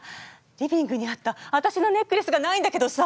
リビングにあったわたしのネックレスがないんだけどさ。